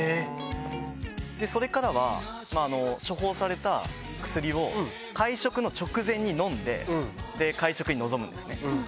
それからは、処方された薬を、会食の直前に飲んで、会食に臨むんですね。